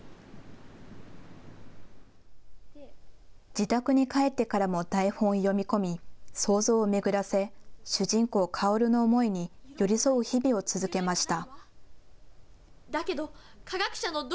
自宅に帰ってからも台本を読み込み、想像を巡らせ主人公、薫の思いに寄り添う日々を続けました。